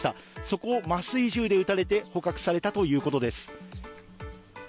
そこを麻酔銃で撃たれて捕獲されたということです。